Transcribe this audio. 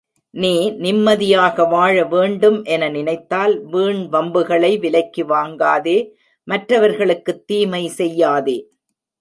நீ நிம்மதியாக வாழ வேண்டும் என நினைத்தால் வீண் வம்புகளை விலைக்கு வாங்காதே மற்றவர்களுக்குத் தீமை செய்யாதே.